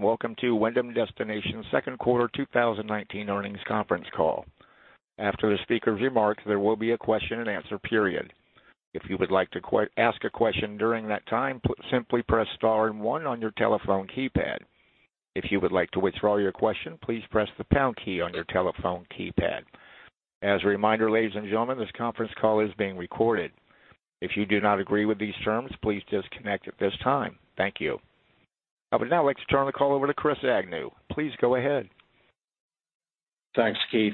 Welcome to Wyndham Destinations' second quarter 2019 earnings conference call. After the speaker's remarks, there will be a question and answer period. If you would like to ask a question during that time, simply press star and one on your telephone keypad. If you would like to withdraw your question, please press the pound key on your telephone keypad. As a reminder, ladies and gentlemen, this conference call is being recorded. If you do not agree with these terms, please disconnect at this time. Thank you. I would now like to turn the call over to Chris Agnew. Please go ahead. Thanks, Keith.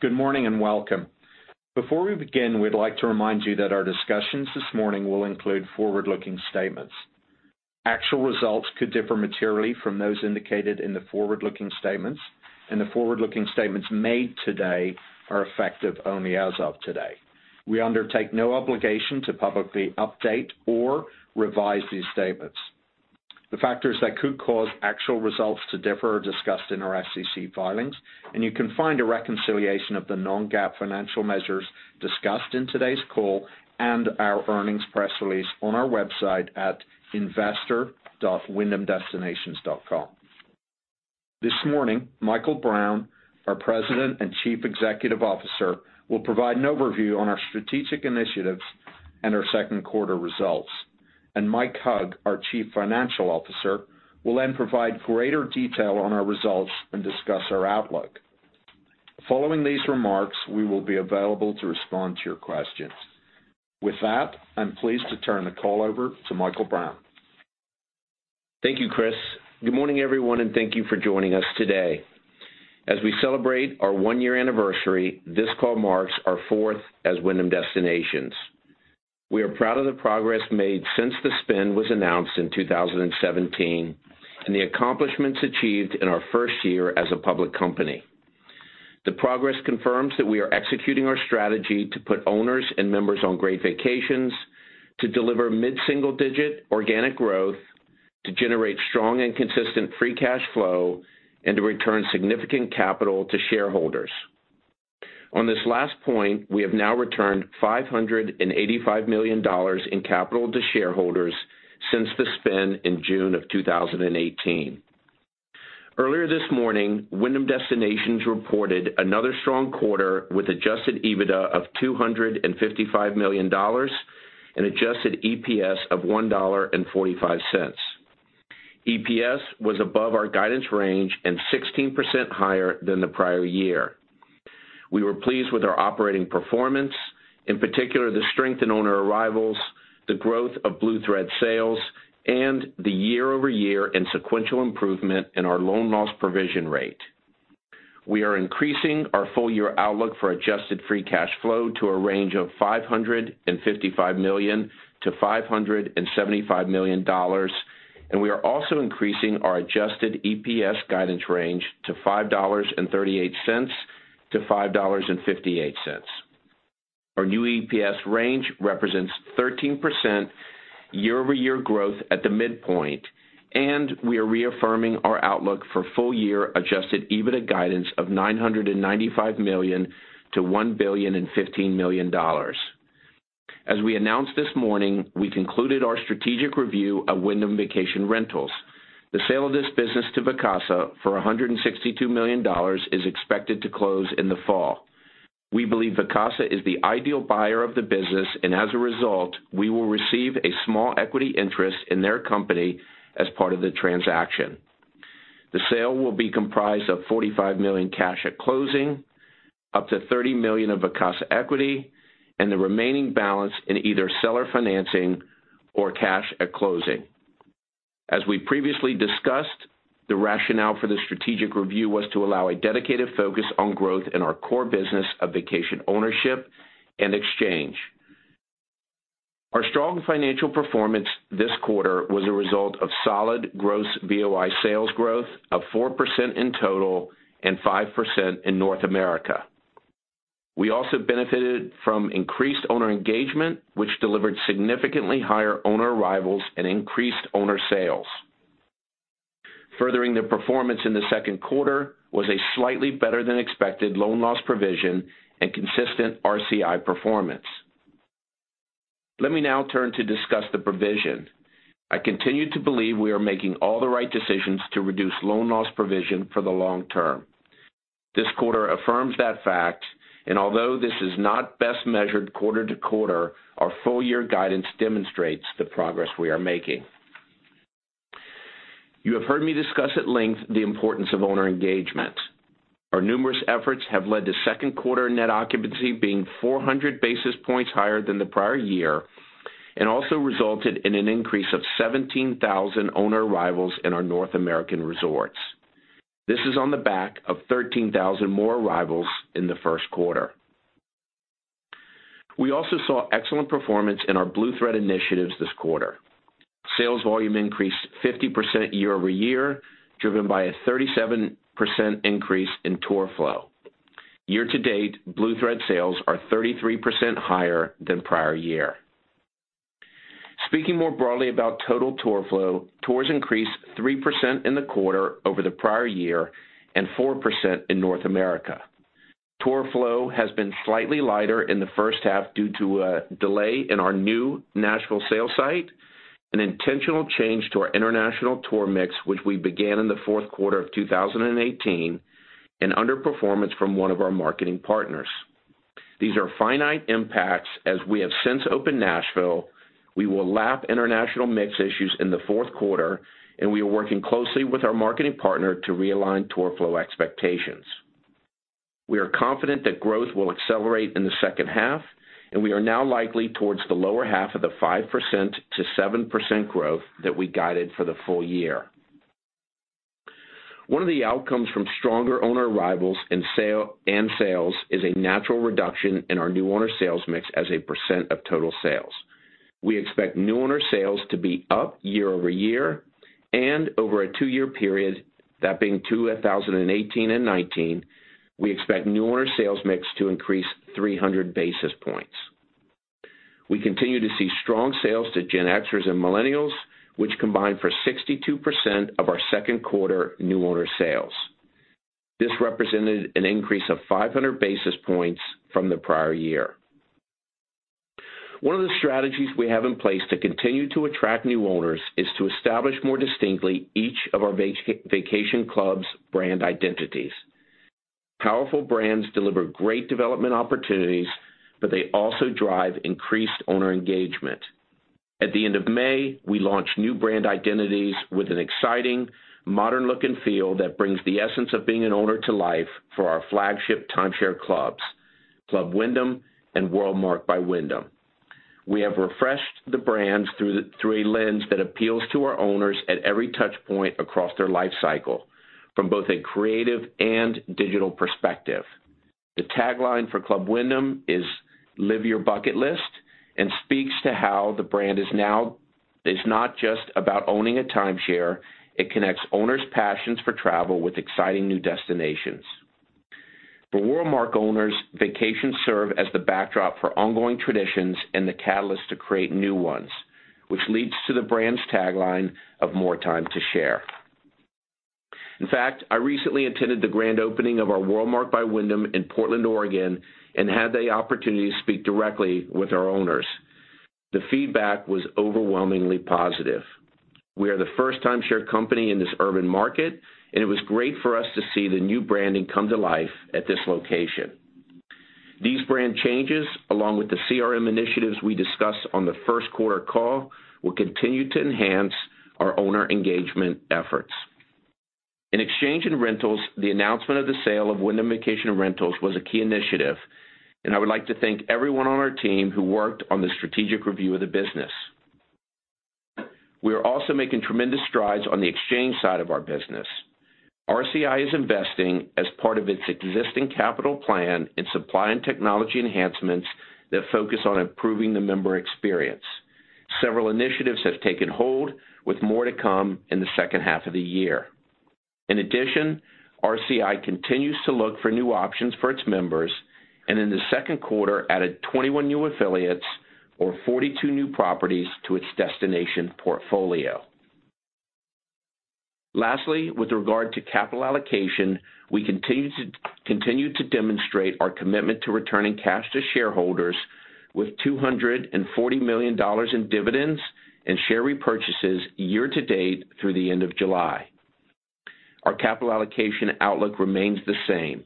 Good morning, and welcome. Before we begin, we'd like to remind you that our discussions this morning will include forward-looking statements. Actual results could differ materially from those indicated in the forward-looking statements, and the forward-looking statements made today are effective only as of today. We undertake no obligation to publicly update or revise these statements. The factors that could cause actual results to differ are discussed in our SEC filings, and you can find a reconciliation of the non-GAAP financial measures discussed in today's call and our earnings press release on our website at investor.wyndhamdestinations.com. This morning, Michael Brown, our President and Chief Executive Officer, will provide an overview on our strategic initiatives and our second quarter results. Mike Hug, our Chief Financial Officer, will then provide greater detail on our results and discuss our outlook. Following these remarks, we will be available to respond to your questions. With that, I'm pleased to turn the call over to Michael Brown. Thank you, Chris. Good morning, everyone, and thank you for joining us today. As we celebrate our one-year anniversary, this call marks our fourth as Wyndham Destinations. We are proud of the progress made since the spin was announced in 2017 and the accomplishments achieved in our first year as a public company. The progress confirms that we are executing our strategy to put owners and members on great vacations, to deliver mid-single digit organic growth, to generate strong and consistent free cash flow, and to return significant capital to shareholders. On this last point, we have now returned $585 million in capital to shareholders since the spin in June of 2018. Earlier this morning, Wyndham Destinations reported another strong quarter with adjusted EBITDA of $255 million and adjusted EPS of $1.45. EPS was above our guidance range and 16% higher than the prior year. We were pleased with our operating performance, in particular, the strength in owner arrivals, the growth of Blue Thread sales, and the year-over-year and sequential improvement in our loan loss provision rate. We are increasing our full year outlook for adjusted free cash flow to a range of $555 million-$575 million, and we are also increasing our adjusted EPS guidance range to $5.38-$5.58. Our new EPS range represents 13% year-over-year growth at the midpoint, and we are reaffirming our outlook for full year adjusted EBITDA guidance of $995 million to $1 billion and $15 million. As we announced this morning, we concluded our strategic review of Wyndham Vacation Rentals. The sale of this business to Vacasa for $162 million is expected to close in the fall. We believe Vacasa is the ideal buyer of the business. As a result, we will receive a small equity interest in their company as part of the transaction. The sale will be comprised of $45 million cash at closing, up to $30 million of Vacasa equity. The remaining balance in either seller financing or cash at closing. As we previously discussed, the rationale for the strategic review was to allow a dedicated focus on growth in our core business of vacation ownership and exchange. Our strong financial performance this quarter was a result of solid gross VOI sales growth of 4% in total and 5% in North America. We also benefited from increased owner engagement, which delivered significantly higher owner arrivals and increased owner sales. Furthering the performance in the second quarter was a slightly better than expected loan loss provision and consistent RCI performance. Let me now turn to discuss the provision. I continue to believe we are making all the right decisions to reduce loan loss provision for the long term. This quarter affirms that fact, and although this is not best measured quarter to quarter, our full year guidance demonstrates the progress we are making. You have heard me discuss at length the importance of owner engagement. Our numerous efforts have led to second quarter net occupancy being 400 basis points higher than the prior year and also resulted in an increase of 17,000 owner arrivals in our North American resorts. This is on the back of 13,000 more arrivals in the first quarter. We also saw excellent performance in our Blue Thread initiatives this quarter. Sales volume increased 50% year-over-year, driven by a 37% increase in tour flow. Year to date, Blue Thread sales are 33% higher than prior year. Speaking more broadly about total tour flow, tours increased 3% in the quarter over the prior year and 4% in North America. Tour flow has been slightly lighter in the first half due to a delay in our new Nashville sales site, an intentional change to our international tour mix, which we began in the fourth quarter of 2018, and underperformance from one of our marketing partners. These are finite impacts as we have since opened Nashville, we will lap international mix issues in the fourth quarter, and we are working closely with our marketing partner to realign tour flow expectations. We are confident that growth will accelerate in the second half, we are now likely towards the lower half of the 5%-7% growth that we guided for the full year. One of the outcomes from stronger owner arrivals and sales is a natural reduction in our new owner sales mix as a % of total sales. We expect new owner sales to be up year-over-year and over a two-year period, that being 2018 and 2019, we expect new owner sales mix to increase 300 basis points. We continue to see strong sales to Gen Xers and millennials, which combine for 62% of our second quarter new owner sales. This represented an increase of 500 basis points from the prior year. One of the strategies we have in place to continue to attract new owners is to establish more distinctly each of our vacation clubs' brand identities. Powerful brands deliver great development opportunities, they also drive increased owner engagement. At the end of May, we launched new brand identities with an exciting modern look and feel that brings the essence of being an owner to life for our flagship timeshare clubs, Club Wyndham and WorldMark by Wyndham. We have refreshed the brands through a lens that appeals to our owners at every touch point across their life cycle from both a creative and digital perspective. The tagline for Club Wyndham is "Live your bucket list" and speaks to how the brand is not just about owning a timeshare, it connects owners' passions for travel with exciting new destinations. For WorldMark owners, vacations serve as the backdrop for ongoing traditions and the catalyst to create new ones, which leads to the brand's tagline of "More time to share." In fact, I recently attended the grand opening of our WorldMark by Wyndham in Portland, Oregon, and had the opportunity to speak directly with our owners. The feedback was overwhelmingly positive. We are the first timeshare company in this urban market, and it was great for us to see the new branding come to life at this location. These brand changes, along with the CRM initiatives we discussed on the first quarter call, will continue to enhance our owner engagement efforts. In exchange and rentals, the announcement of the sale of Wyndham Vacation Rentals was a key initiative, and I would like to thank everyone on our team who worked on the strategic review of the business. We are also making tremendous strides on the exchange side of our business. RCI is investing as part of its existing capital plan in supply and technology enhancements that focus on improving the member experience. Several initiatives have taken hold with more to come in the second half of the year. In addition, RCI continues to look for new options for its members, and in the second quarter, added 21 new affiliates or 42 new properties to its destination portfolio. Lastly, with regard to capital allocation, we continue to demonstrate our commitment to returning cash to shareholders with $240 million in dividends and share repurchases year to date through the end of July. Our capital allocation outlook remains the same.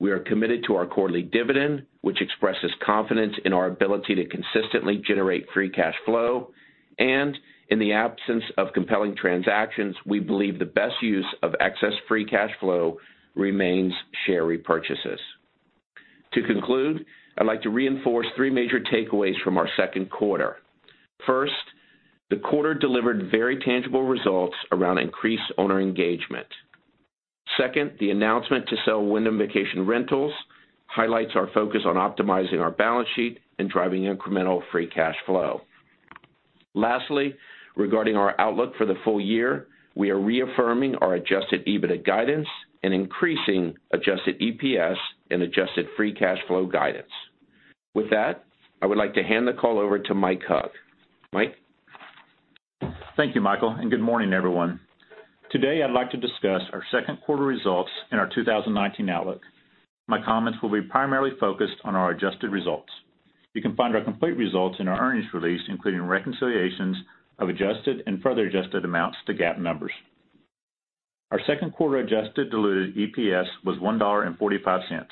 We are committed to our quarterly dividend, which expresses confidence in our ability to consistently generate free cash flow, and in the absence of compelling transactions, we believe the best use of excess free cash flow remains share repurchases. To conclude, I'd like to reinforce three major takeaways from our second quarter. First, the quarter delivered very tangible results around increased owner engagement. Second, the announcement to sell Wyndham Vacation Rentals highlights our focus on optimizing our balance sheet and driving incremental free cash flow. Lastly, regarding our outlook for the full year, we are reaffirming our adjusted EBITDA guidance and increasing adjusted EPS and adjusted free cash flow guidance. With that, I would like to hand the call over to Mike Hug. Mike? Thank you, Michael. Good morning, everyone. Today, I'd like to discuss our second quarter results and our 2019 outlook. My comments will be primarily focused on our adjusted results. You can find our complete results in our earnings release, including reconciliations of adjusted and further adjusted amounts to GAAP numbers. Our second quarter adjusted diluted EPS was $1.45,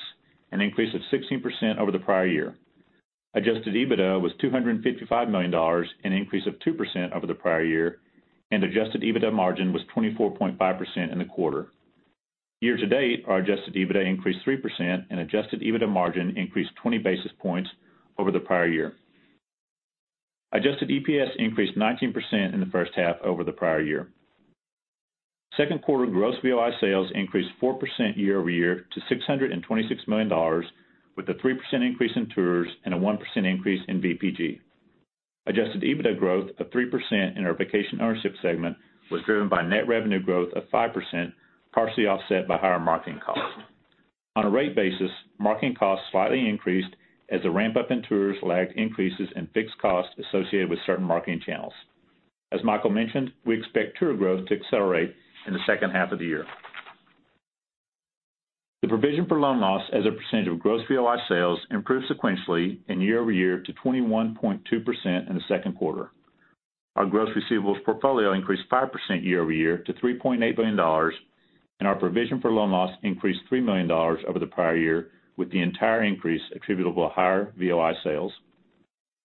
an increase of 16% over the prior year. Adjusted EBITDA was $255 million, an increase of 2% over the prior year, and adjusted EBITDA margin was 24.5% in the quarter. Year to date, our adjusted EBITDA increased 3% and adjusted EBITDA margin increased 20 basis points over the prior year. Adjusted EPS increased 19% in the first half over the prior year. Second quarter gross VOI sales increased 4% year-over-year to $626 million with a 3% increase in tours and a 1% increase in VPG. Adjusted EBITDA growth of 3% in our vacation ownership segment was driven by net revenue growth of 5%, partially offset by higher marketing costs. On a rate basis, marketing costs slightly increased as a ramp-up in tours lagged increases in fixed costs associated with certain marketing channels. As Michael mentioned, we expect tour growth to accelerate in the second half of the year. The provision for loan loss as a percentage of gross VOI sales improved sequentially and year-over-year to 21.2% in the second quarter. Our gross receivables portfolio increased 5% year-over-year to $3.8 billion, and our provision for loan loss increased $3 million over the prior year, with the entire increase attributable to higher VOI sales.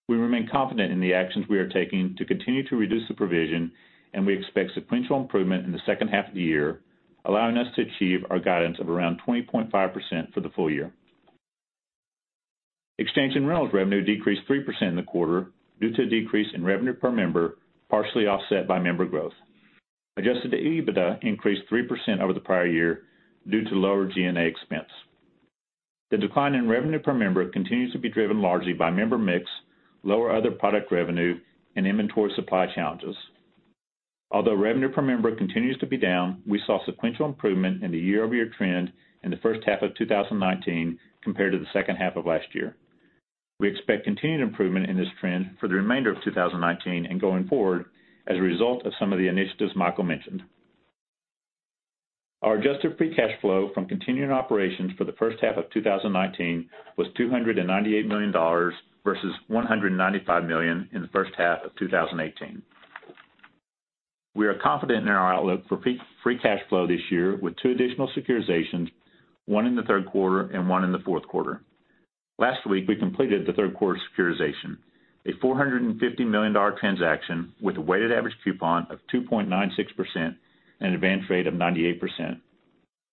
We remain confident in the actions we are taking to continue to reduce the provision, and we expect sequential improvement in the second half of the year, allowing us to achieve our guidance of around 20.5% for the full year. Exchange and rentals revenue decreased 3% in the quarter due to a decrease in revenue per member, partially offset by member growth. Adjusted EBITDA increased 3% over the prior year due to lower G&A expense. The decline in revenue per member continues to be driven largely by member mix, lower other product revenue, and inventory supply challenges. Although revenue per member continues to be down, we saw sequential improvement in the year-over-year trend in the first half of 2019 compared to the second half of last year. We expect continued improvement in this trend for the remainder of 2019 and going forward as a result of some of the initiatives Michael mentioned. Our adjusted free cash flow from continuing operations for the first half of 2019 was $298 million versus $195 million in the first half of 2018. We are confident in our outlook for free cash flow this year with two additional securitizations, one in the third quarter and one in the fourth quarter. Last week, we completed the third quarter securitization, a $450 million transaction with a weighted average coupon of 2.96% and an advance rate of 98%.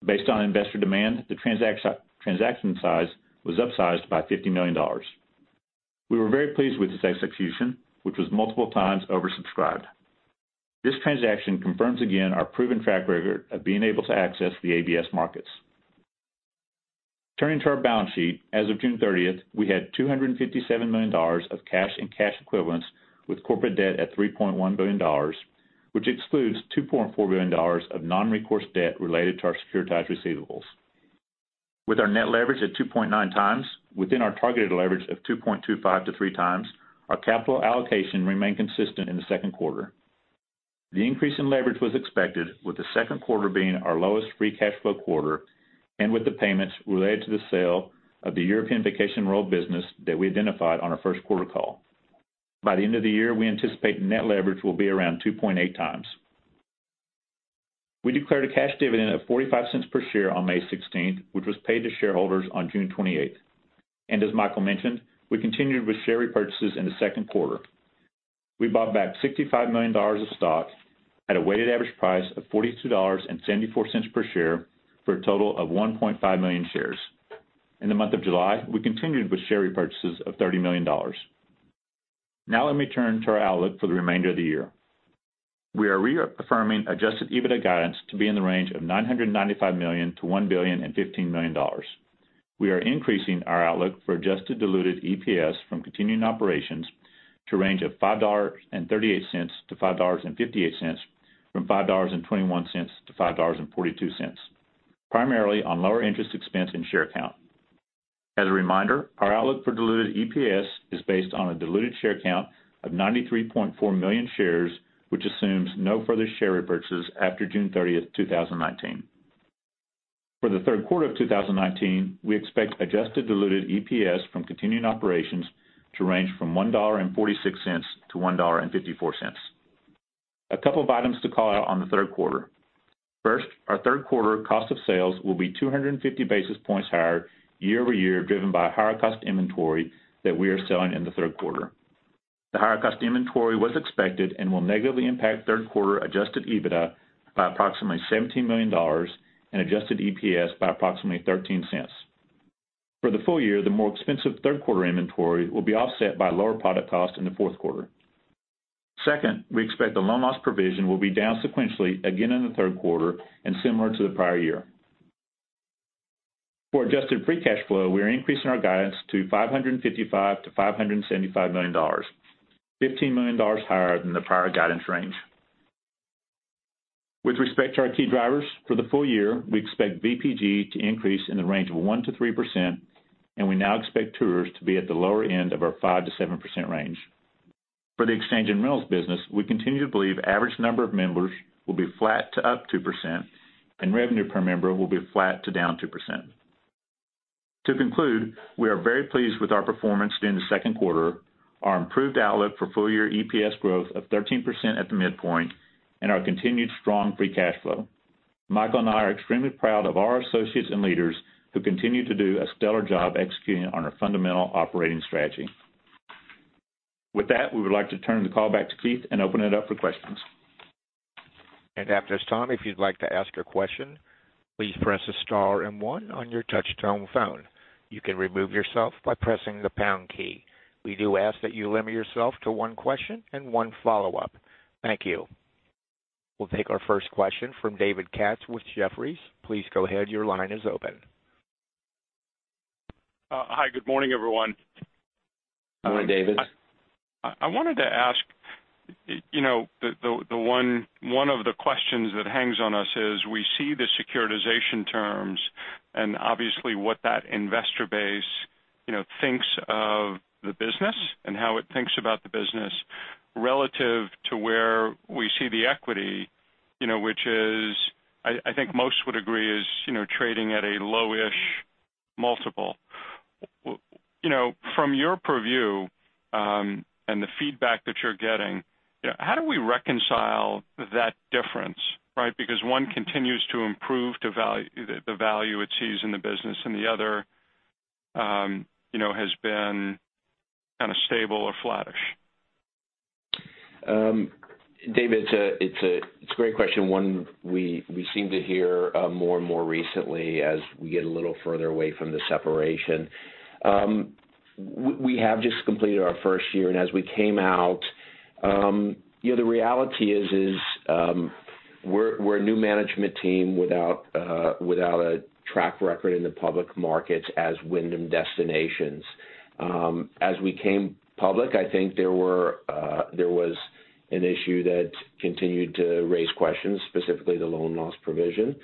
Based on investor demand, the transaction size was upsized by $50 million. We were very pleased with this execution, which was multiple times oversubscribed. This transaction confirms again our proven track record of being able to access the ABS markets. Turning to our balance sheet. As of June 30th, we had $257 million of cash and cash equivalents with corporate debt at $3.1 billion, which excludes $2.4 billion of non-recourse debt related to our securitized receivables. With our net leverage at 2.9 times within our targeted leverage of 2.25-3 times, our capital allocation remained consistent in the second quarter. The increase in leverage was expected, with the second quarter being our lowest free cash flow quarter and with the payments related to the sale of the European Vacation Rental business that we identified on our first quarter call. By the end of the year, we anticipate net leverage will be around 2.8 times. We declared a cash dividend of $0.45 per share on May 16th, which was paid to shareholders on June 28th. As Michael mentioned, we continued with share repurchases in the second quarter. We bought back $65 million of stock at a weighted average price of $42.74 per share, for a total of $1.5 million shares. In the month of July, we continued with share repurchases of $30 million. Now let me turn to our outlook for the remainder of the year. We are reaffirming adjusted EBITDA guidance to be in the range of $995 million-$1,015 million. We are increasing our outlook for adjusted diluted EPS from continuing operations to range of $5.38-$5.58 from $5.21-$5.42, primarily on lower interest expense and share count. As a reminder, our outlook for diluted EPS is based on a diluted share count of 93.4 million shares, which assumes no further share repurchases after June 30th, 2019. For the third quarter of 2019, we expect adjusted diluted EPS from continuing operations to range from $1.46-$1.54. A couple of items to call out on the third quarter. First, our third quarter cost of sales will be 250 basis points higher year-over-year, driven by higher cost inventory that we are selling in the third quarter. The higher cost inventory was expected and will negatively impact third quarter adjusted EBITDA by approximately $17 million and adjusted EPS by approximately $0.13. For the full year, the more expensive third quarter inventory will be offset by lower product costs in the fourth quarter. Second, we expect the loan loss provision will be down sequentially again in the third quarter and similar to the prior year. For adjusted free cash flow, we are increasing our guidance to $555 million-$575 million, $15 million higher than the prior guidance range. With respect to our key drivers for the full year, we expect VPG to increase in the range of 1%-3%, and we now expect tours to be at the lower end of our 5%-7% range. For the exchange and rentals business, we continue to believe average number of members will be flat to up 2%, and revenue per member will be flat to down 2%. To conclude, we are very pleased with our performance during the second quarter, our improved outlook for full-year EPS growth of 13% at the midpoint, and our continued strong free cash flow. Michael and I are extremely proud of our associates and leaders who continue to do a stellar job executing on our fundamental operating strategy. With that, we would like to turn the call back to Keith and open it up for questions. At this time, if you'd like to ask a question, please press star and one on your touch-tone phone. You can remove yourself by pressing the pound key. We do ask that you limit yourself to one question and one follow-up. Thank you. We'll take our first question from David Katz with Jefferies. Please go ahead. Your line is open. Hi, good morning, everyone. Good morning, David. I wanted to ask, one of the questions that hangs on us is we see the securitization terms and obviously what that investor base thinks of the business and how it thinks about the business relative to where we see the equity, which I think most would agree is trading at a low-ish multiple. From your purview, and the feedback that you're getting, how do we reconcile that difference, right? One continues to improve the value it sees in the business, and the other has been kind of stable or flattish. David, it's a great question, one we seem to hear more and more recently as we get a little further away from the separation. We have just completed our first year. As we came out, the reality is we're a new management team without a track record in the public markets as Wyndham Destinations. As we came public, I think there was an issue that continued to raise questions, specifically the loan loss provision.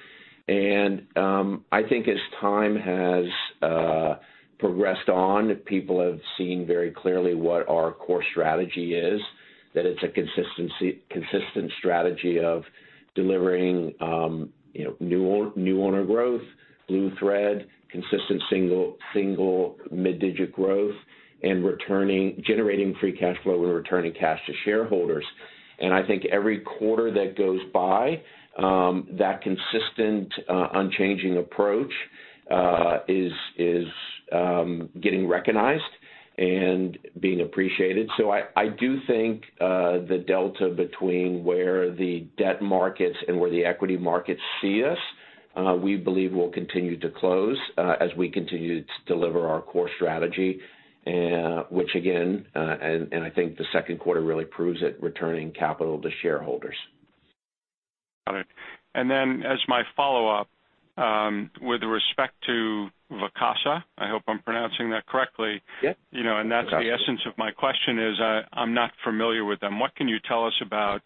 I think as time has progressed on, people have seen very clearly what our core strategy is, that it's a consistent strategy of delivering new owner growth, Blue Thread, consistent single mid-digit growth, and generating free cash flow and returning cash to shareholders. I think every quarter that goes by, that consistent, unchanging approach is getting recognized and being appreciated. I do think the delta between where the debt markets and where the equity markets see us, we believe will continue to close as we continue to deliver our core strategy, which again, and I think the second quarter really proves it, returning capital to shareholders. Got it. As my follow-up, with respect to Vacasa, I hope I'm pronouncing that correctly. Yes. Vacasa. That's the essence of my question is I'm not familiar with them. What can you tell us about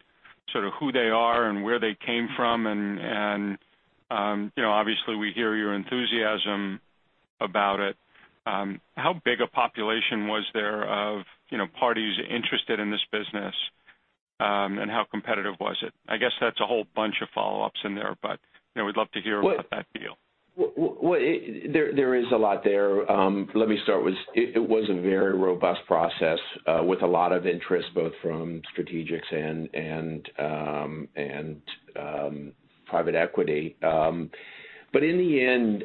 sort of who they are and where they came from and obviously we hear your enthusiasm about it. How big a population was there of parties interested in this business? How competitive was it? I guess that's a whole bunch of follow-ups in there, but we'd love to hear about that deal. Well, there is a lot there. Let me start with, it was a very robust process with a lot of interest, both from strategics and private equity. In the end,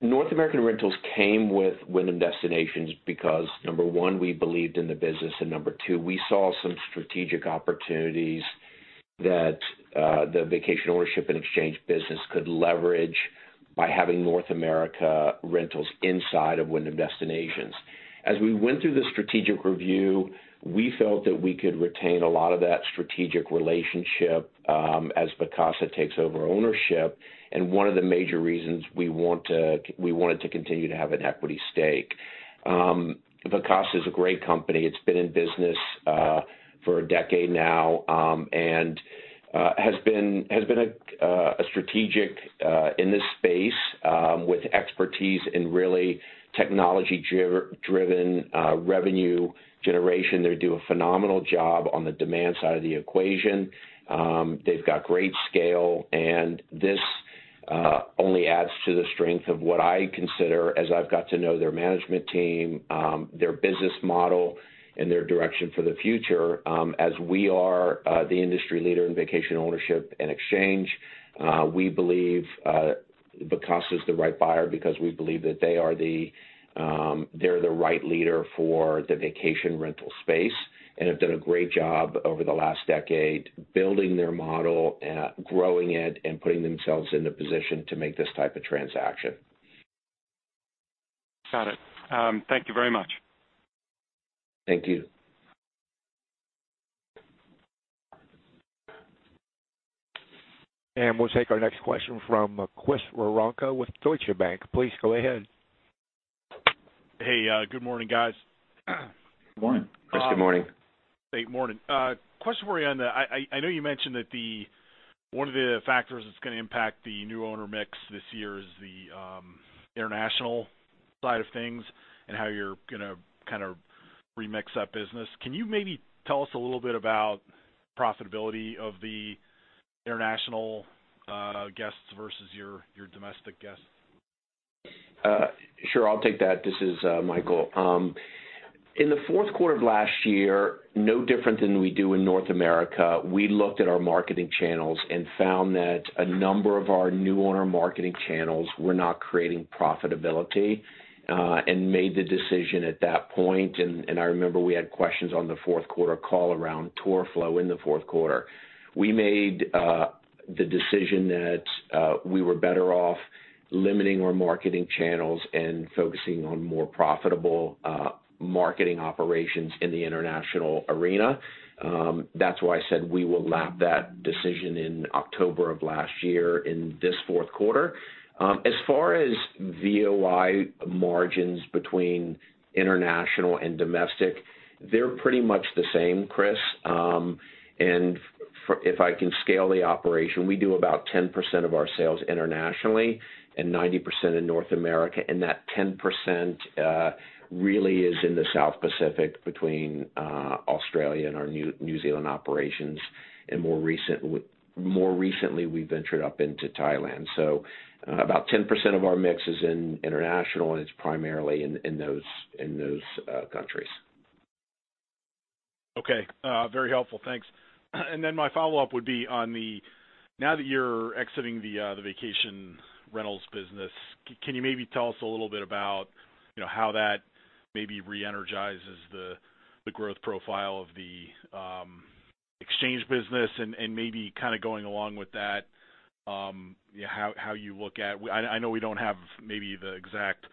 North American Rentals came with Wyndham Destinations because number one, we believed in the business, and number two, we saw some strategic opportunities that the vacation ownership and exchange business could leverage by having North American Rentals inside of Wyndham Destinations. As we went through the strategic review, we felt that we could retain a lot of that strategic relationship as Vacasa takes over ownership, and one of the major reasons we wanted to continue to have an equity stake. Vacasa is a great company. It's been in business for a decade now, and has been a strategic in this space with expertise in really technology driven revenue generation. They do a phenomenal job on the demand side of the equation. They've got great scale and this only adds to the strength of what I consider as I've got to know their management team, their business model, and their direction for the future. As we are the industry leader in vacation ownership and exchange, we believe Vacasa is the right buyer because we believe that they're the right leader for the vacation rental space and have done a great job over the last decade building their model and growing it and putting themselves in the position to make this type of transaction. Got it. Thank you very much. Thank you. We'll take our next question from Chris Woronka with Deutsche Bank. Please go ahead. Hey, good morning, guys. Good morning. Good morning. Hey, morning. Question for you, I know you mentioned that one of the factors that's going to impact the new owner mix this year is the international side of things and how you're going to kind of remix that business. Can you maybe tell us a little bit about profitability of the international guests versus your domestic guests? Sure. I'll take that. This is Michael. In the fourth quarter of last year, no different than we do in North America, we looked at our marketing channels and found that a number of our new owner marketing channels were not creating profitability, and made the decision at that point. I remember we had questions on the fourth quarter call around tour flow in the fourth quarter. We made the decision that we were better off limiting our marketing channels and focusing on more profitable marketing operations in the international arena. That's why I said we will lap that decision in October of last year in this fourth quarter. As far as VOI margins between international and domestic, they're pretty much the same, Chris. If I can scale the operation, we do about 10% of our sales internationally and 90% in North America, that 10% really is in the South Pacific between Australia and our New Zealand operations, more recently, we ventured up into Thailand. About 10% of our mix is in international, and it's primarily in those countries. Okay. Very helpful. Thanks. Then my follow-up would be Now that you're exiting the vacation rentals business, can you maybe tell us a little bit about how that maybe re-energizes the growth profile of the exchange business and maybe kind of going along with that, I know we don't have maybe the exact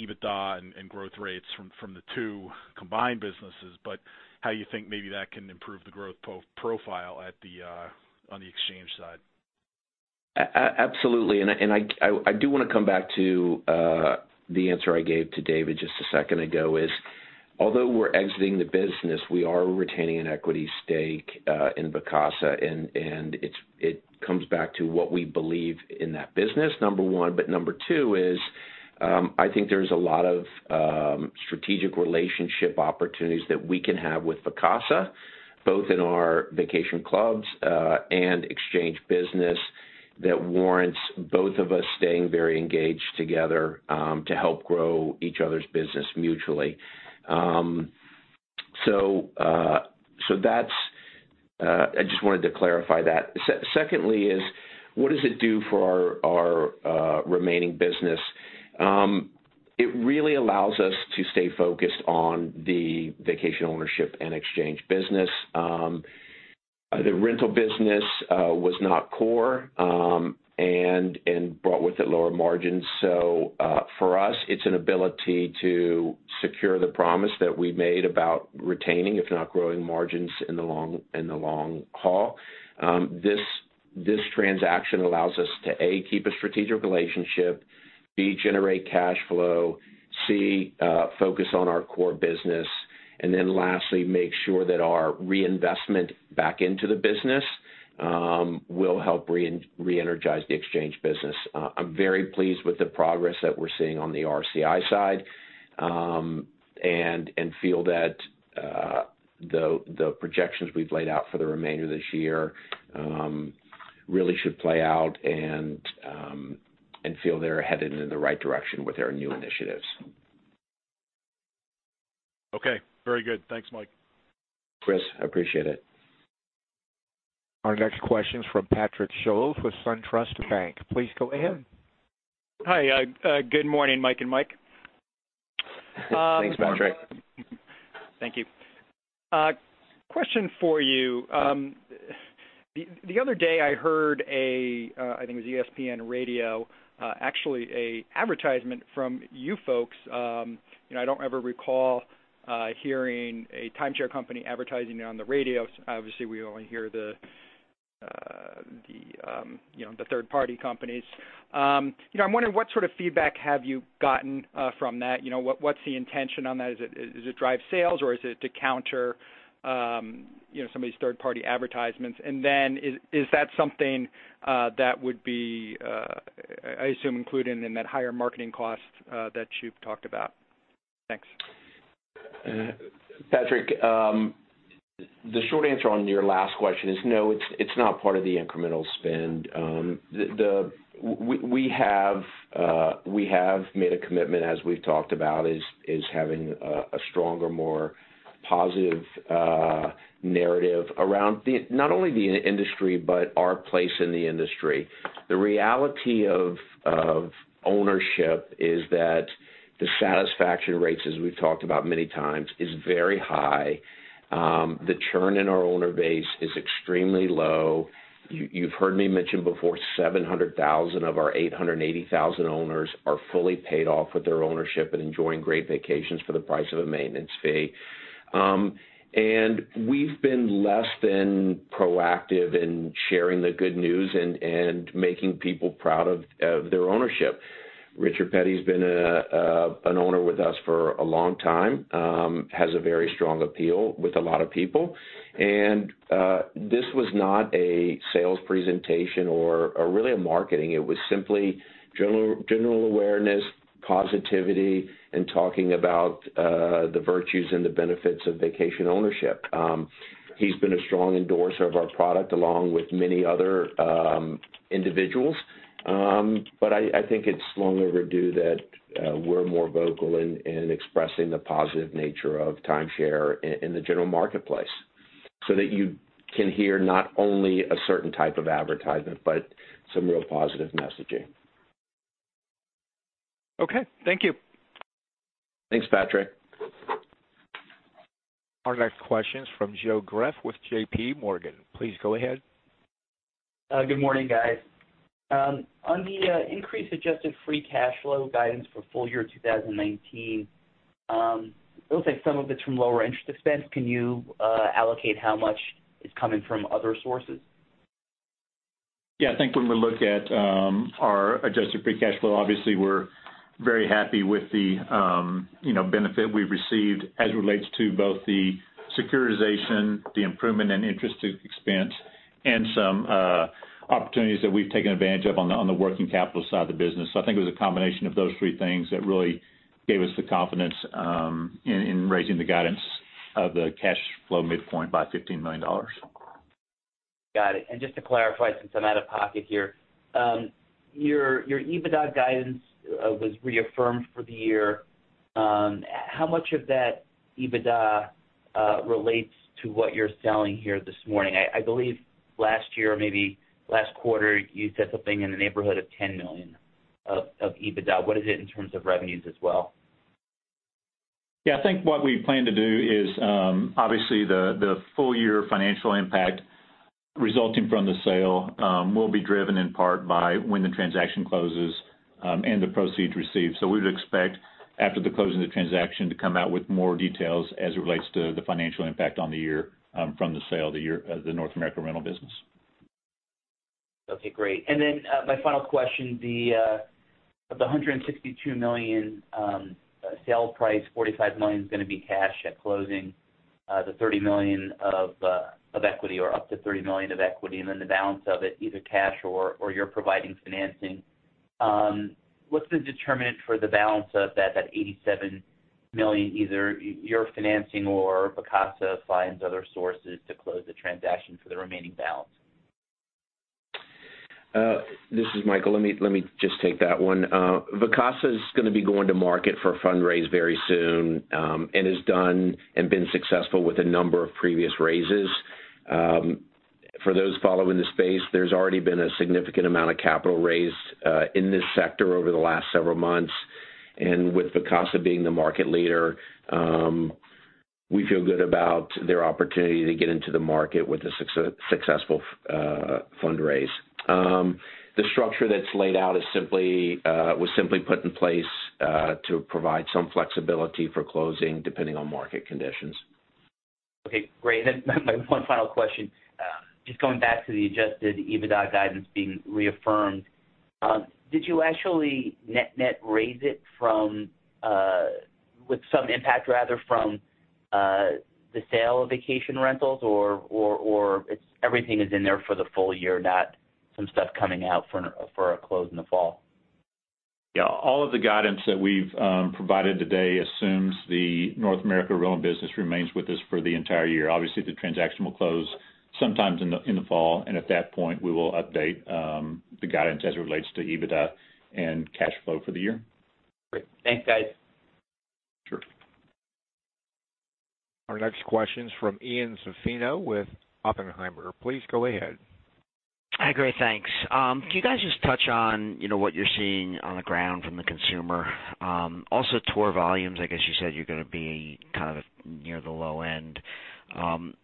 EBITDA and growth rates from the two combined businesses, how you think maybe that can improve the growth profile on the exchange side. Absolutely. I do want to come back to the answer I gave to David just a second ago is, although we're exiting the business, we are retaining an equity stake in Vacasa, and it comes back to what we believe in that business, number one. Number two is, I think there's a lot of strategic relationship opportunities that we can have with Vacasa, both in our vacation clubs and exchange business that warrants both of us staying very engaged together, to help grow each other's business mutually. I just wanted to clarify that. Secondly is what does it do for our remaining business? It really allows us to stay focused on the vacation ownership and exchange business. The rental business was not core, and brought with it lower margins. For us, it's an ability to secure the promise that we made about retaining, if not growing margins in the long haul. This transaction allows us to, A, keep a strategic relationship, B, generate cash flow, C, focus on our core business, and then lastly, make sure that our reinvestment back into the business will help re-energize the exchange business. I'm very pleased with the progress that we're seeing on the RCI side, and feel that the projections we've laid out for the remainder of this year really should play out and feel they're headed in the right direction with our new initiatives. Okay, very good. Thanks, Mike. Chris, I appreciate it. Our next question's from Patrick Scholes with SunTrust Bank. Please go ahead. Hi. Good morning, Mike and Mike. Thanks, Patrick. Thank you. Question for you. The other day I heard, I think it was ESPN Radio, actually an advertisement from you folks. I don't ever recall hearing a timeshare company advertising on the radio. Obviously, we only hear the third party companies. I'm wondering, what sort of feedback have you gotten from that? What's the intention on that? Is it to drive sales or is it to counter somebody's third party advertisements? Is that something that would be, I assume, included in that higher marketing cost that you've talked about? Thanks. Patrick, the short answer on your last question is no, it's not part of the incremental spend. We have made a commitment, as we've talked about, is having a stronger, more positive narrative around not only the industry but our place in the industry. The reality of ownership is that the satisfaction rates, as we've talked about many times, is very high. The churn in our owner base is extremely low. You've heard me mention before, 700,000 of our 880,000 owners are fully paid off with their ownership and enjoying great vacations for the price of a maintenance fee. We've been less than proactive in sharing the good news and making people proud of their ownership. Richard Petty's been an owner with us for a long time, has a very strong appeal with a lot of people, and this was not a sales presentation or really a marketing. It was simply general awareness, positivity, and talking about the virtues and the benefits of vacation ownership. He's been a strong endorser of our product, along with many other individuals. I think it's long overdue that we're more vocal in expressing the positive nature of timeshare in the general marketplace, so that you can hear not only a certain type of advertisement, but some real positive messaging. Okay. Thank you. Thanks, Patrick. Our next question's from Joe Greff with J.P. Morgan. Please go ahead. Good morning, guys. On the increased adjusted free cash flow guidance for full year 2019, it looks like some of it's from lower interest expense. Can you allocate how much is coming from other sources? Yeah, I think when we look at our adjusted free cash flow, obviously, we're very happy with the benefit we've received as it relates to both the securitization, the improvement in interest expense, and some opportunities that we've taken advantage of on the working capital side of the business. I think it was a combination of those three things that really gave us the confidence in raising the guidance of the cash flow midpoint by $15 million. Got it. Just to clarify, since I'm out of pocket here, your EBITDA guidance was reaffirmed for the year. How much of that EBITDA relates to what you're selling here this morning? I believe last year or maybe last quarter, you said something in the neighborhood of $10 million of EBITDA. What is it in terms of revenues as well? Yeah, I think what we plan to do is, obviously the full year financial impact resulting from the sale will be driven in part by when the transaction closes and the proceeds received. We'd expect after the close of the transaction to come out with more details as it relates to the financial impact on the year from the sale of the North America rental business. Okay, great. My final question, of the $162 million sale price, $45 million is going to be cash at closing, the $30 million of equity or up to $30 million of equity, the balance of it, either cash or you're providing financing. What's the determinant for the balance of that $87 million, either you're financing or Vacasa finds other sources to close the transaction for the remaining balance? This is Michael. Let me just take that one. Vacasa is going to be going to market for a fundraise very soon and has done and been successful with a number of previous raises. For those following the space, there's already been a significant amount of capital raised in this sector over the last several months. With Vacasa being the market leader, we feel good about their opportunity to get into the market with a successful fundraise. The structure that's laid out was simply put in place to provide some flexibility for closing depending on market conditions. Okay, great. My one final question. Just going back to the adjusted EBITDA guidance being reaffirmed, did you actually net raise it with some impact rather from the sale of vacation rentals or everything is in there for the full year, not some stuff coming out for a close in the fall? Yeah. All of the guidance that we've provided today assumes the North America rental business remains with us for the entire year. Obviously, the transaction will close sometimes in the fall, and at that point, we will update the guidance as it relates to EBITDA and cash flow for the year. Great. Thanks, guys. Sure. Our next question is from Ian Zaffino with Oppenheimer. Please go ahead. Hi, great. Thanks. Can you guys just touch on what you're seeing on the ground from the consumer? Tour volumes, I guess you said you're going to be kind of near the low end.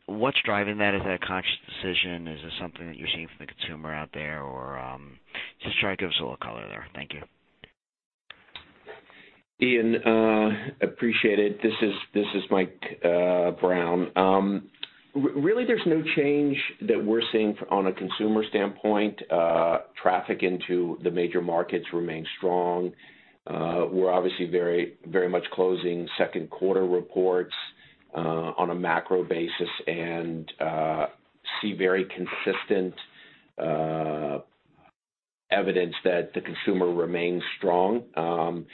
What's driving that? Is that a conscious decision? Is this something that you're seeing from the consumer out there? Or just try to give us a little color there. Thank you. Ian, appreciate it. This is Michael Brown. There's no change that we're seeing on a consumer standpoint. Traffic into the major markets remains strong. We're obviously very much closing second quarter reports on a macro basis and see very consistent evidence that the consumer remains strong.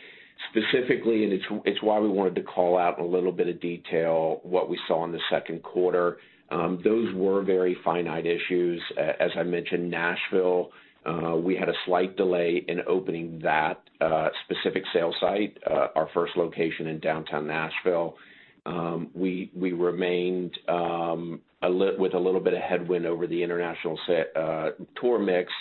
Specifically, it's why we wanted to call out a little bit of detail what we saw in the second quarter. Those were very finite issues. As I mentioned, Nashville, we had a slight delay in opening that specific sales site, our first location in downtown Nashville. We remained with a little bit of headwind over the international tour mix.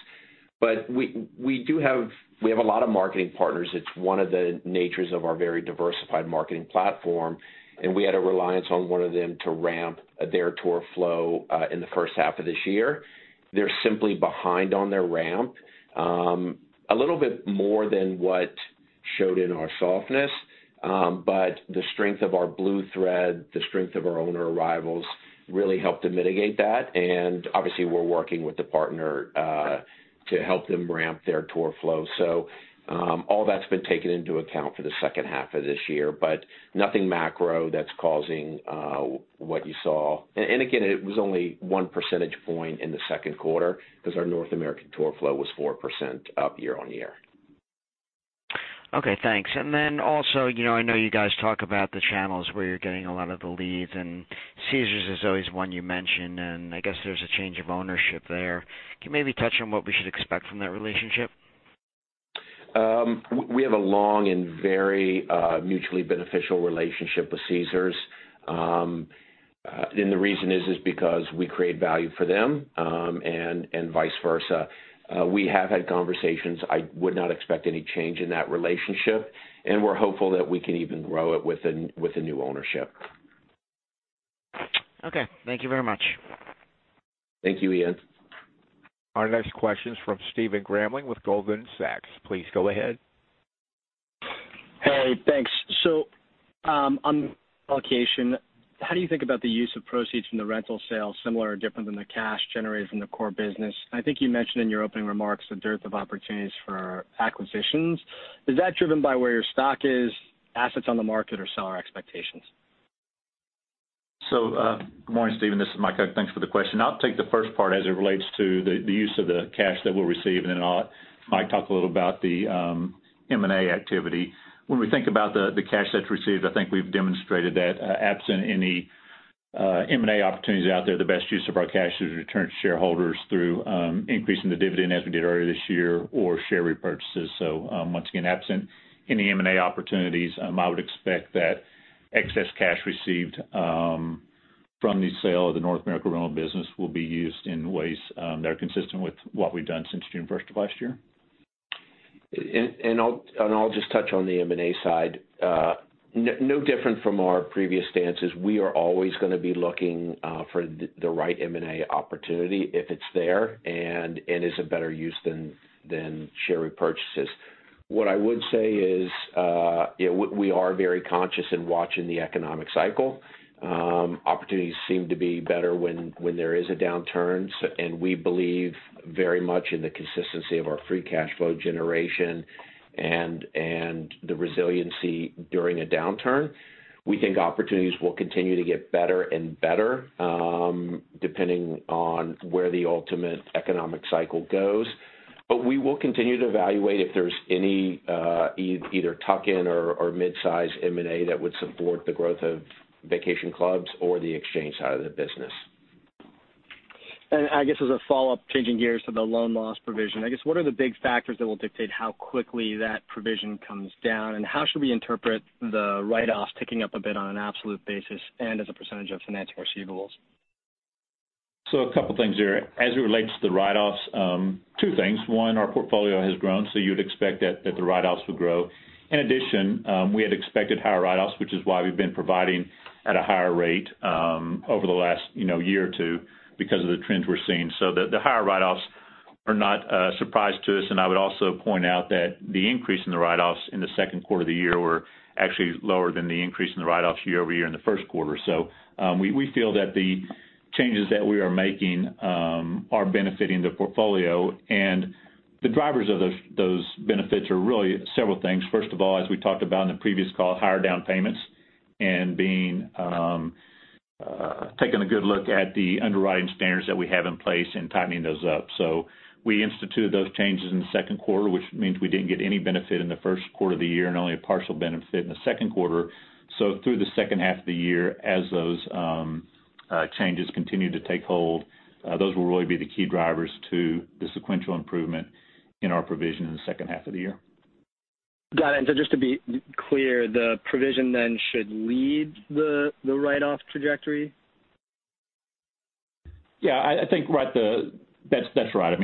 We have a lot of marketing partners. It's one of the natures of our very diversified marketing platform, and we had a reliance on one of them to ramp their tour flow in the first half of this year. They're simply behind on their ramp. A little bit more than what showed in our softness. The strength of our Blue Thread, the strength of our owner arrivals really helped to mitigate that, and obviously we're working with the partner to help them ramp their tour flow. All that's been taken into account for the second half of this year. Nothing macro that's causing what you saw. Again, it was only one percentage point in the second quarter because our North American tour flow was 4% up year-over-year. Okay, thanks. I know you guys talk about the channels where you're getting a lot of the leads, and Caesars is always one you mention, and I guess there's a change of ownership there. Can you maybe touch on what we should expect from that relationship? We have a long and very mutually beneficial relationship with Caesars. The reason is because we create value for them, and vice versa. We have had conversations. I would not expect any change in that relationship, and we're hopeful that we can even grow it with the new ownership. Okay. Thank you very much. Thank you, Ian. Our next question is from Stephen Grambling with Goldman Sachs. Please go ahead. Hey, thanks. On allocation, how do you think about the use of proceeds from the rental sale, similar or different than the cash generated from the core business? I think you mentioned in your opening remarks the dearth of opportunities for acquisitions. Is that driven by where your stock is, assets on the market, or seller expectations? Good morning, Stephen. This is Mike Hug. Thanks for the question. I'll take the first part as it relates to the use of the cash that we'll receive, and then I'll let Mike talk a little about the M&A activity. When we think about the cash that's received, I think we've demonstrated that absent any M&A opportunities out there, the best use of our cash is to return to shareholders through increasing the dividend as we did earlier this year, or share repurchases. Once again, absent any M&A opportunities, I would expect that excess cash received from the sale of the North America rental business will be used in ways that are consistent with what we've done since June 1st of last year. I'll just touch on the M&A side. No different from our previous stances, we are always going to be looking for the right M&A opportunity if it's there and is a better use than share repurchases. What I would say is we are very conscious in watching the economic cycle. Opportunities seem to be better when there is a downturn, and we believe very much in the consistency of our free cash flow generation and the resiliency during a downturn. We think opportunities will continue to get better and better, depending on where the ultimate economic cycle goes. We will continue to evaluate if there's any either tuck-in or midsize M&A that would support the growth of vacation clubs or the exchange side of the business. I guess as a follow-up, changing gears to the loan loss provision, I guess what are the big factors that will dictate how quickly that provision comes down? How should we interpret the write-offs ticking up a bit on an absolute basis and as a percentage of financing receivables? A couple things there. As it relates to the write-offs, two things. One, our portfolio has grown, so you'd expect that the write-offs would grow. In addition, we had expected higher write-offs, which is why we've been providing at a higher rate over the last year or two because of the trends we're seeing. The higher write-offs are not a surprise to us. I would also point out that the increase in the write-offs in the second quarter of the year were actually lower than the increase in the write-offs year-over-year in the first quarter. We feel that the changes that we are making are benefiting the portfolio. The drivers of those benefits are really several things. First of all, as we talked about in the previous call, higher down payments and taking a good look at the underwriting standards that we have in place and tightening those up. We instituted those changes in the second quarter, which means we didn't get any benefit in the first quarter of the year and only a partial benefit in the second quarter. Through the second half of the year, as those changes continue to take hold, those will really be the key drivers to the sequential improvement in our provision in the second half of the year. Got it. Just to be clear, the provision then should lead the write-off trajectory? Yeah, I think that's right.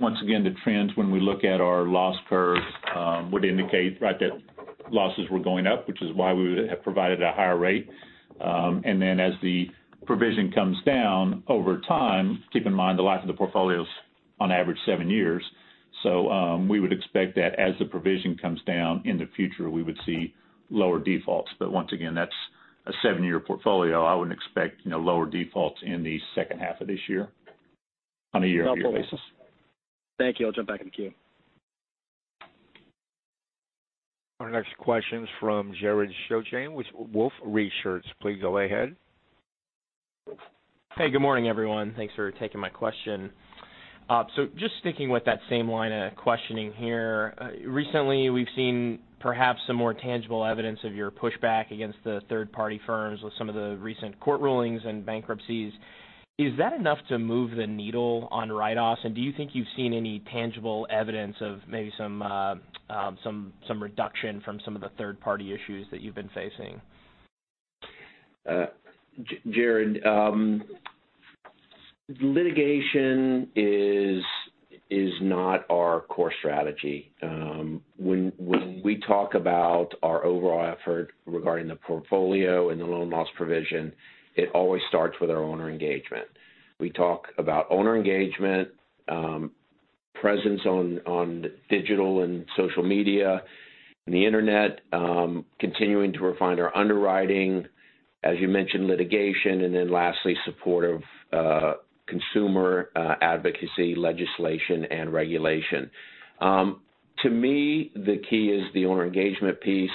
Once again, the trends when we look at our loss curves would indicate that losses were going up, which is why we have provided at a higher rate. As the provision comes down over time, keep in mind the life of the portfolio is on average seven years. We would expect that as the provision comes down in the future, we would see lower defaults. Once again, that's a seven-year portfolio. I wouldn't expect lower defaults in the second half of this year on a year-over-year basis. Thank you. I'll jump back in the queue. Our next question is from Jared Shojaian with Wolfe Research. Please go ahead. Hey, good morning, everyone. Thanks for taking my question. Just sticking with that same line of questioning here. Recently, we've seen perhaps some more tangible evidence of your pushback against the third-party firms with some of the recent court rulings and bankruptcies. Is that enough to move the needle on write-offs? Do you think you've seen any tangible evidence of maybe some reduction from some of the third-party issues that you've been facing? Jared, litigation is not our core strategy. When we talk about our overall effort regarding the portfolio and the loan loss provision, it always starts with our owner engagement. We talk about owner engagement, presence on digital and social media and the internet, continuing to refine our underwriting, as you mentioned, litigation, lastly, support of consumer advocacy legislation and regulation. To me, the key is the owner engagement piece.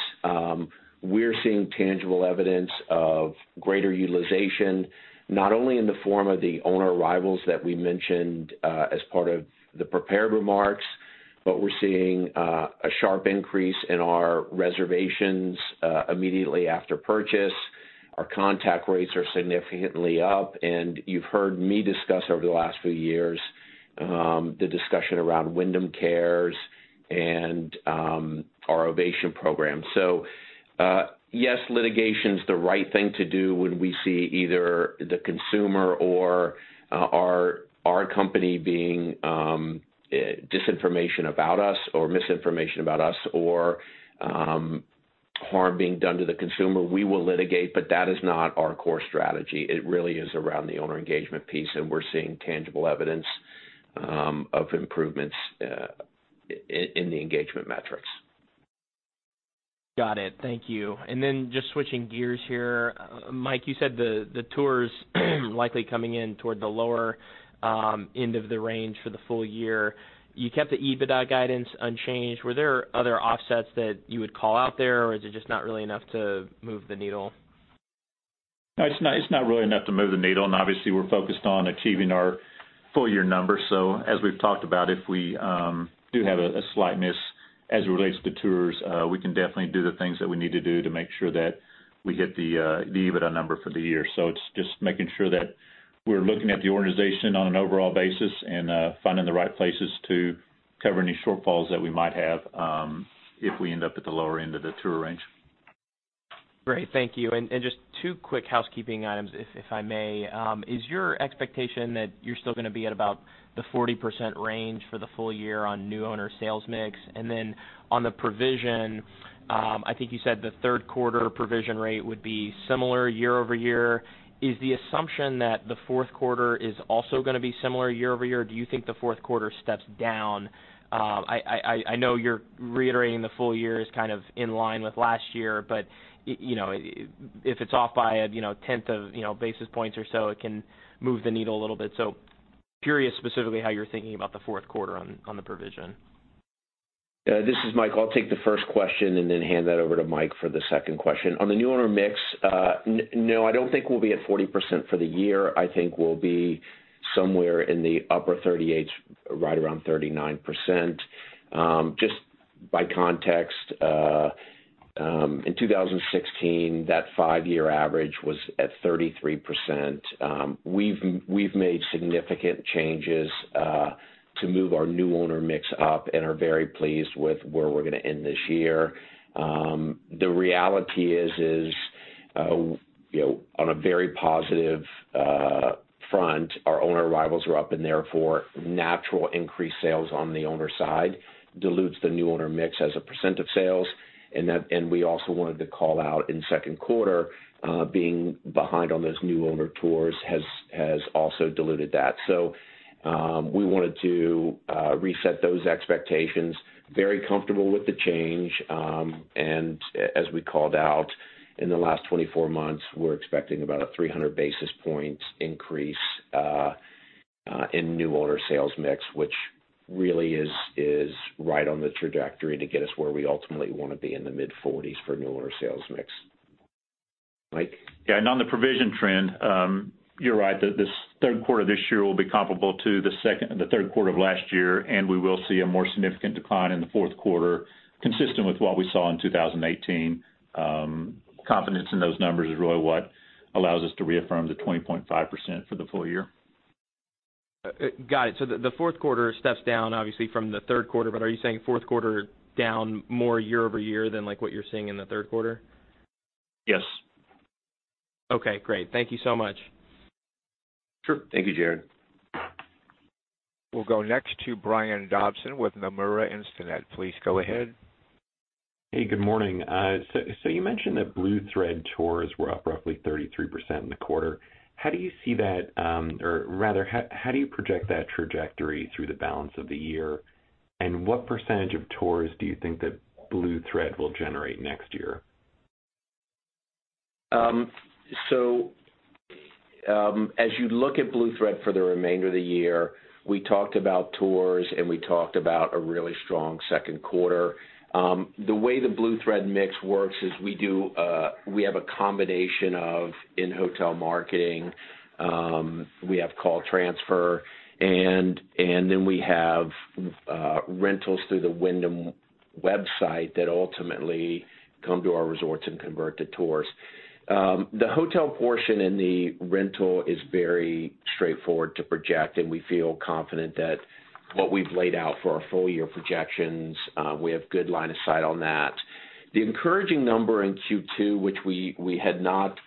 We're seeing tangible evidence of greater utilization, not only in the form of the owner arrivals that we mentioned as part of the prepared remarks, We're seeing a sharp increase in our reservations immediately after purchase. Our contact rates are significantly up, You've heard me discuss over the last few years the discussion around Wyndham Cares and our Ovation program. Yes, litigation's the right thing to do when we see either the consumer or our company being disinformation about us or misinformation about us or harm being done to the consumer, we will litigate, but that is not our core strategy. It really is around the owner engagement piece, and we're seeing tangible evidence of improvements in the engagement metrics. Got it. Thank you. Then just switching gears here, Mike, you said the tours likely coming in toward the lower end of the range for the full year. You kept the EBITDA guidance unchanged. Were there other offsets that you would call out there, or is it just not really enough to move the needle? No, it's not really enough to move the needle, and obviously we're focused on achieving our full-year numbers. As we've talked about, if we do have a slight miss as it relates to tours, we can definitely do the things that we need to do to make sure that we hit the EBITDA number for the year. It's just making sure that we're looking at the organization on an overall basis and finding the right places to cover any shortfalls that we might have, if we end up at the lower end of the tour range. Great. Thank you. Just two quick housekeeping items, if I may. Is your expectation that you're still going to be at about the 40% range for the full year on new owner sales mix? Then on the provision, I think you said the third quarter provision rate would be similar year-over-year. Is the assumption that the fourth quarter is also going to be similar year-over-year, or do you think the fourth quarter steps down? I know you're reiterating the full year is kind of in line with last year, but if it's off by a tenth of basis points or so, it can move the needle a little bit. Curious specifically how you're thinking about the fourth quarter on the provision? This is Mike. I'll take the first question and then hand that over to Mike for the second question. On the new owner mix, no, I don't think we'll be at 40% for the year. I think we'll be somewhere in the upper 38s, right around 39%. Just by context, in 2016, that five-year average was at 33%. We've made significant changes to move our new owner mix up and are very pleased with where we're going to end this year. The reality is on a very positive front, our owner arrivals are up and therefore, natural increased sales on the owner side dilutes the new owner mix as a percent of sales, and we also wanted to call out in second quarter, being behind on those new owner tours has also diluted that. We wanted to reset those expectations. Very comfortable with the change. As we called out in the last 24 months, we're expecting about a 300 basis points increase in new owner sales mix, which really is right on the trajectory to get us where we ultimately want to be in the mid-40s for new owner sales mix. Mike? On the provision trend, you're right that this third quarter of this year will be comparable to the third quarter of last year, and we will see a more significant decline in the fourth quarter consistent with what we saw in 2018. Confidence in those numbers is really what allows us to reaffirm the 20.5% for the full year. Got it. The fourth quarter steps down obviously from the third quarter, but are you saying fourth quarter down more year-over-year than what you're seeing in the third quarter? Yes. Okay, great. Thank you so much. Sure. Thank you, Jared. We'll go next to Brian Dobson with Nomura Instinet. Please go ahead. Good morning. You mentioned that Blue Thread tours were up roughly 33% in the quarter. How do you see that, or rather, how do you project that trajectory through the balance of the year? What percentage of tours do you think that Blue Thread will generate next year? As you look at Blue Thread for the remainder of the year, we talked about tours, and we talked about a really strong second quarter. The way the Blue Thread mix works is we have a combination of in-hotel marketing, we have call transfer, and then we have rentals through the Wyndham website that ultimately come to our resorts and convert to tours. The hotel portion and the rental is very straightforward to project, and we feel confident that what we've laid out for our full-year projections, we have good line of sight on that. The encouraging number in Q2, which we had not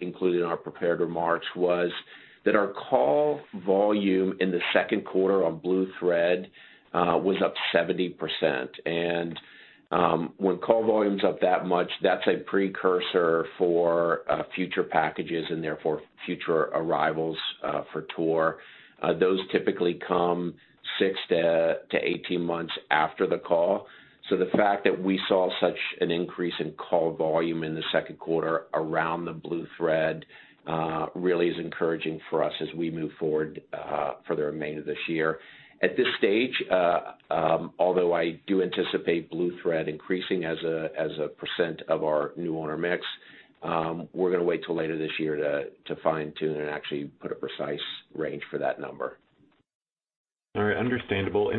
included in our prepared remarks, was that our call volume in the second quarter on Blue Thread was up 70%. When call volume's up that much, that's a precursor for future packages and therefore future arrivals for tour. Those typically come 6 to 18 months after the call. The fact that we saw such an increase in call volume in the second quarter around the Blue Thread really is encouraging for us as we move forward for the remainder of this year. At this stage, although I do anticipate Blue Thread increasing as a percent of our new owner mix, we're going to wait till later this year to fine-tune and actually put a precise range for that number. All right. Understandable.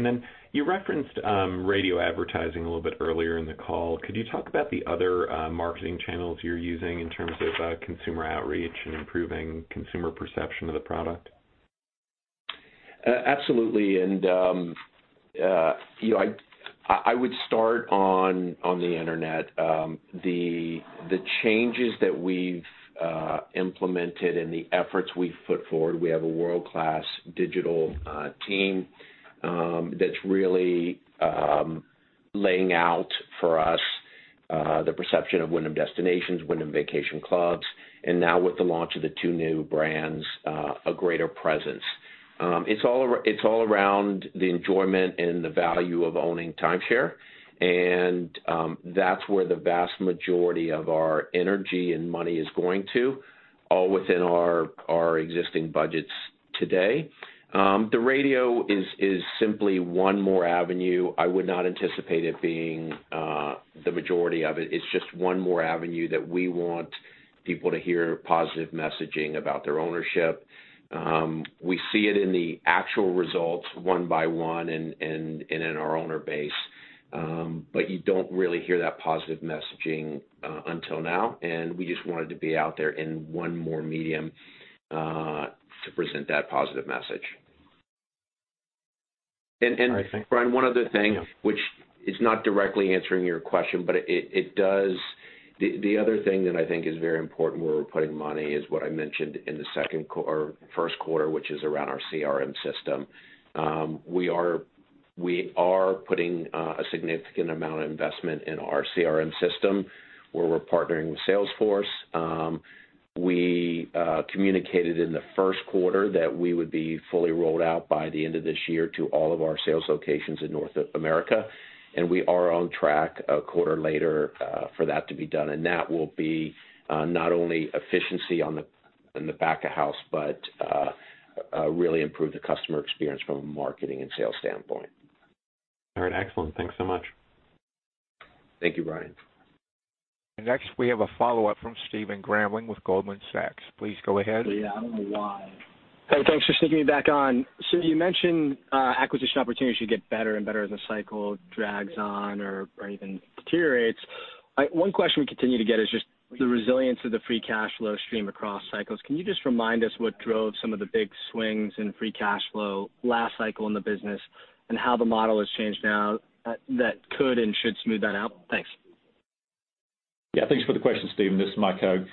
You referenced radio advertising a little bit earlier in the call. Could you talk about the other marketing channels you're using in terms of consumer outreach and improving consumer perception of the product? Absolutely. I would start on the internet. The changes that we've implemented and the efforts we've put forward, we have a world-class digital team that's really laying out for us. The perception of Wyndham Destinations, Wyndham Vacation Clubs, and now with the launch of the two new brands, a greater presence. It's all around the enjoyment and the value of owning timeshare, and that's where the vast majority of our energy and money is going to, all within our existing budgets today. The radio is simply one more avenue. I would not anticipate it being the majority of it. It's just one more avenue that we want people to hear positive messaging about their ownership. We see it in the actual results one by one and in our owner base. You don't really hear that positive messaging until now, and we just wanted to be out there in one more medium to present that positive message. All right, thanks. One other thing. Yeah The other thing that I think is very important, where we're putting money, is what I mentioned in the first quarter, which is around our CRM system. We are putting a significant amount of investment in our CRM system, where we're partnering with Salesforce. We communicated in the first quarter that we would be fully rolled out by the end of this year to all of our sales locations in North America, and we are on track a quarter later for that to be done. That will be not only efficiency in the back of house, but really improve the customer experience from a marketing and sales standpoint. All right. Excellent. Thanks so much. Thank you, Brian. Next, we have a follow-up from Stephen Grambling with Goldman Sachs. Please go ahead. Yeah. I don't know why. Hey, thanks for sneaking me back on. You mentioned acquisition opportunities should get better and better as the cycle drags on or even deteriorates. One question we continue to get is just the resilience of the free cash flow stream across cycles. Can you just remind us what drove some of the big swings in free cash flow last cycle in the business, and how the model has changed now that could and should smooth that out? Thanks. Thanks for the question, Stephen. This is Mike Hug.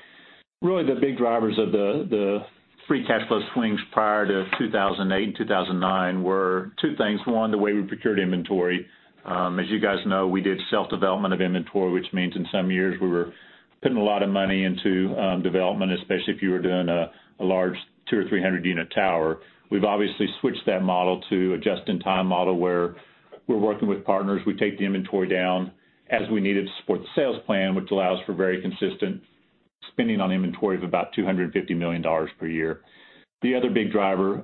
Really, the big drivers of the free cash flow swings prior to 2008 and 2009 were two things. One, the way we procured inventory. As you guys know, we did self-development of inventory, which means in some years we were putting a lot of money into development, especially if you were doing a large 200 or 300-unit tower. We've obviously switched that model to a just-in-time model where we're working with partners. We take the inventory down as we need it to support the sales plan, which allows for very consistent spending on inventory of about $250 million per year. The other big driver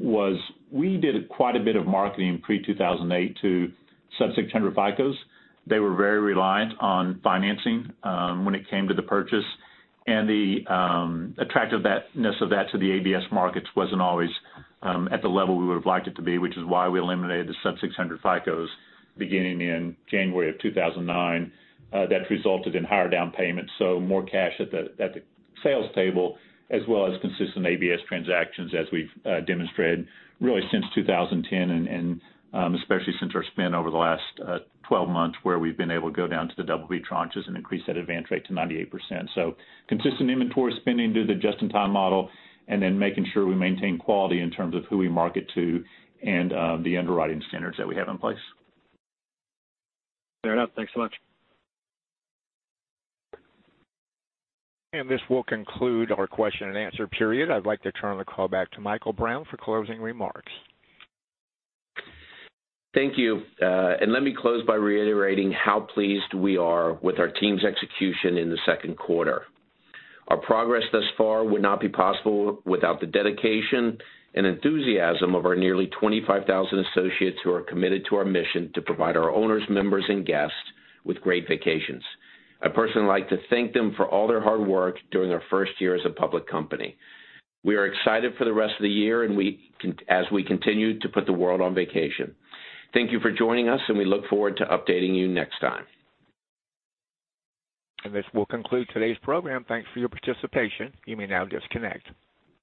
was we did quite a bit of marketing pre-2008 to sub-600 FICOs. They were very reliant on financing when it came to the purchase. The attractiveness of that to the ABS markets wasn't always at the level we would have liked it to be, which is why we eliminated the sub-600 FICOs beginning in January of 2009. That resulted in higher down payments, so more cash at the sales table, as well as consistent ABS transactions, as we've demonstrated, really since 2010 and especially since our spend over the last 12 months where we've been able to go down to the BB tranches and increase that advance rate to 98%. Consistent inventory spending due to the just-in-time model, and then making sure we maintain quality in terms of who we market to and the underwriting standards that we have in place. Clear enough. Thanks so much. This will conclude our question and answer period. I'd like to turn the call back to Michael Brown for closing remarks. Thank you. Let me close by reiterating how pleased we are with our team's execution in the second quarter. Our progress thus far would not be possible without the dedication and enthusiasm of our nearly 25,000 associates who are committed to our mission to provide our owners, members, and guests with great vacations. I'd personally like to thank them for all their hard work during our first year as a public company. We are excited for the rest of the year as we continue to put the world on vacation. Thank you for joining us, and we look forward to updating you next time. This will conclude today's program. Thanks for your participation. You may now disconnect.